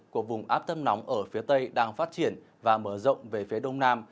của vùng áp thấp nóng ở phía tây đang phát triển và mở rộng về phía đông nam